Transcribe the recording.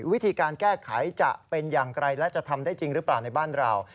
วิธีการแก้ไขจะเป็นอย่างไรและจะทำได้จริงหรือเปล่าในบ้านเรา